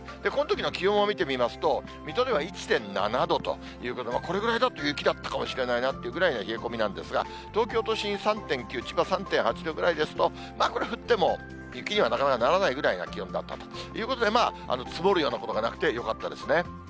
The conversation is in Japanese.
このときの気温を見てみますと、水戸では１．７度ということで、これぐらいだと、雪だったかもしれないなという冷え込みなんですが、東京都心３．９、千葉３．８ぐらいですと、これは降っても雪にはなかなかならないぐらいの気温だったということで、積もるようなことがなくてよかったですね。